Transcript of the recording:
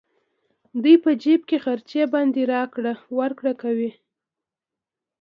دوی په جېب خرچې باندې راکړه ورکړه کوي